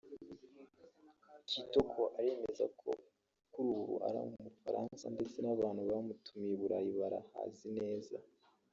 Kitoko aremeza ko kuri ubu ari mu Bufaransa ndetse n’abantu bamutumiye i Burayi barahazi neza